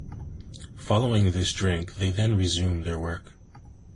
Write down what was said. Following this drink they then resume their work.